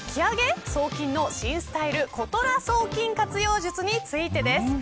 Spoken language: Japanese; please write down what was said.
今後も手数料引き上げ送金の新スタイルことら送金活用術についてです。